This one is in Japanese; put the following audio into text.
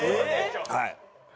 はい。